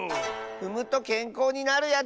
ふむとけんこうになるやつ！